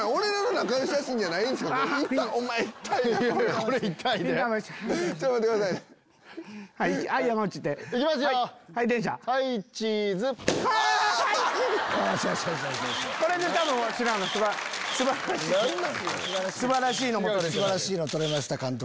何なんすか⁉素晴らしいの撮れました監督